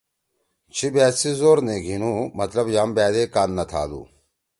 چھی بأت سی زور نی گھیِنُو، مطلب یام بأدے کان نہ تھادُو۔